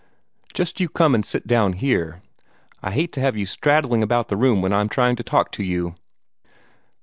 "Just you come and sit down here. I hate to have you straddling about the room when I'm trying to talk to you."